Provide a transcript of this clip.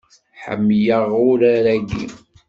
Ḥemmleɣ urar-agi.